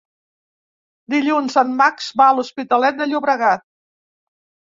Dilluns en Max va a l'Hospitalet de Llobregat.